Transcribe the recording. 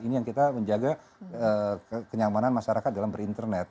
ini yang kita menjaga kenyamanan masyarakat dalam berinternet